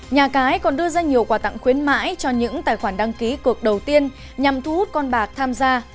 nhà cái còn đưa ra nhiều quà tặng khuyến mãi cho những tài khoản đăng ký cược đầu tiên nhằm thu hút con bạc tham gia